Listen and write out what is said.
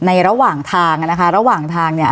ระหว่างทางอ่ะนะคะระหว่างทางเนี่ย